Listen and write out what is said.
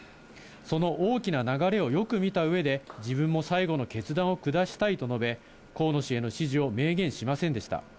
その大きな流れをよく見たうえで、自分も最後の決断を下したいと述べ、河野氏への支持を明言しませんでした。